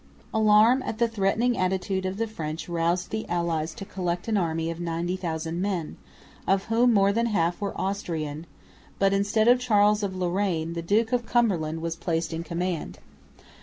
Alarm at the threatening attitude of the French roused the allies to collect an army of 90,000 men, of whom more than half were Austrian; but, instead of Charles of Lorraine, the Duke of Cumberland was placed in command.